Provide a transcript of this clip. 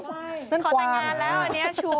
ขอตัญญาแล้วอันนี้ชัวร์